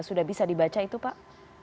sudah bisa dibaca itu pak